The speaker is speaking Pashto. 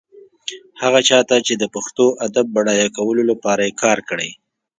هغه چا ته چې د پښتو ادب بډایه کولو لپاره يې کار کړی.